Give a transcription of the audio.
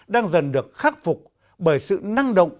đang dần được khắc phục bởi sự năng động